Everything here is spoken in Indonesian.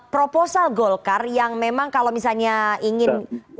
proposal golkar yang memang kalau misalnya ingin